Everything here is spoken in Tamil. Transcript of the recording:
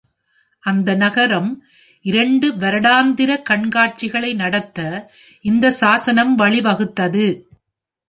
அந்த நகரம் இரண்டு வருடாந்திர கண்காட்சிகளை நடத்த, இந்த சாசனம் வழிவகுத்தது.